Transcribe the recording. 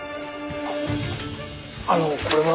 あのこれは。